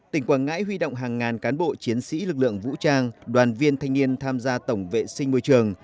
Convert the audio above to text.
tỉnh quảng ngãi huy động hàng ngàn cán bộ chiến sĩ lực lượng vũ trang đoàn viên thanh niên tham gia tổng vệ sinh môi trường